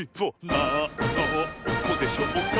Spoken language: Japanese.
なんのこでしょうか？